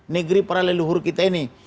negeri para leluhur kita ini